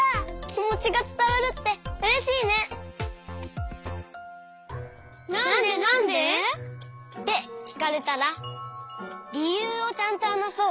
きもちがつたわるってうれしいね！ってきかれたらりゆうをちゃんとはなそう。